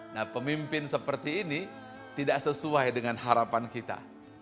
nah pemimpin seperti ini tidak sesuai dengan harapan kita